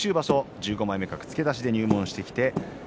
１５枚目付け出しで入門してきました。